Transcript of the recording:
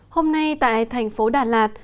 hôm nay tại thành phố đà lạt